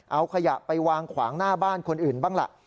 เอาขยะไปวางขวางหน้าบ้านคนอื่นบ้างล่ะ